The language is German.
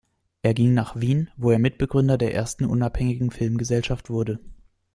Er ging nach Wien, wo er Mitbegründer der ersten unabhängigen Filmgesellschaft wurde.